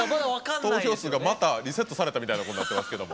投票数がリセットされたみたいになってますけど。